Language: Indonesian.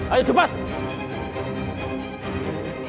aku akan menangkap kamu